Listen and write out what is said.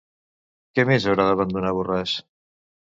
Què més haurà d'abandonar Borràs?